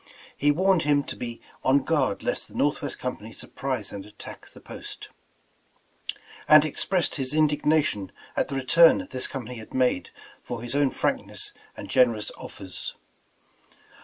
He warned him to be on guard lest the Northwest Com pany surprise and attack the post; and expressed his indignation at the return this company had made for his own frankness and generous offers.